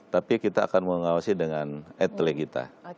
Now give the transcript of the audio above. tapi kita akan mengawasi dengan etele kita